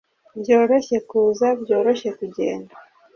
byoroshye kuza, byoroshye kugenda